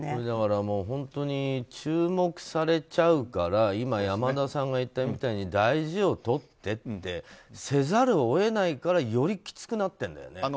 だから注目されちゃうから今、山田さんが言ったみたいに大事を取ってってせざるを得ないからよりきつくなってるんだよね。